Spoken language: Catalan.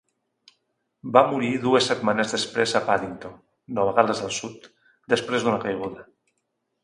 Va morir dues setmanes després a Paddington, Nova Gal·les del Sud, després d'una caiguda.